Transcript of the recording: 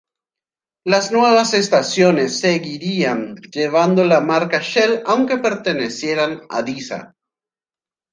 Las nuevas estaciones seguirían llevando la marca Shell aunque pertenecieran a Disa.